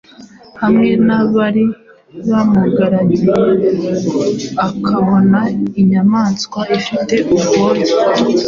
hamwe nabari bamugaragiye akabona inyamanswa ifite ubwoya